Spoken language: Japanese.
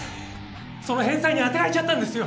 その返済に充てられちゃったんですよ